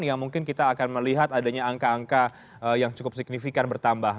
yang mungkin kita akan melihat adanya angka angka yang cukup signifikan bertambah